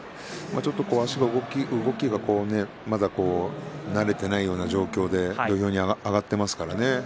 足の動きがちょっと慣れていないような状況で土俵に上がっていますからね。